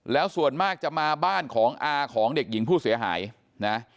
แล้วส่วนมากจะมาบ้านของอาของเด็กหญิงผู้เสียหายนะ